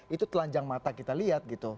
itu telanjang mata kita lihat gitu